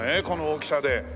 この大きさで。